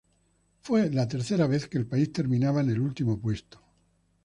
Fue la tercera vez que el país terminaba en el último puesto.